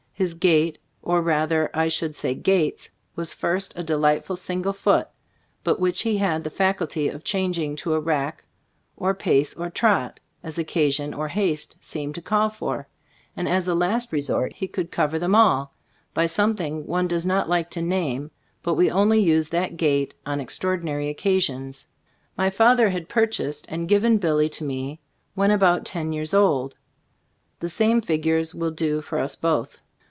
His gait (or rather, I should say, gaits) was first a delight ful single foot; but which he had the faculty of changing to a rack, or pace or trot, as occasion or haste seemed 3be Storg of t&V Cbtldbood 91 to call for; and as a last resort, he could cover them all by something one does not like to name; but we only used that gait on extraordinary occa sions. My father had purchased and given Billy to me when about ten years old. The same figures will do for us both.